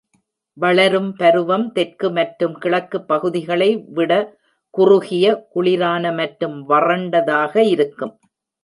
வளரும் பருவம் தெற்கு மற்றும் கிழக்கு பகுதிகளை விட குறுகிய, குளிரான மற்றும் வறண்டதாக இருக்கும்.